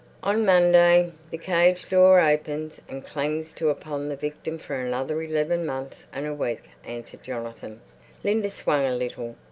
"On Monday the cage door opens and clangs to upon the victim for another eleven months and a week," answered Jonathan. Linda swung a little.